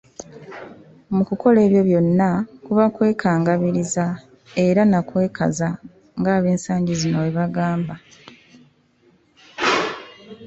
Mu kukola ebyo byonna, kuba kwekangabiriza era nakwekaza nga ab'ensangi zino bwe bagamba .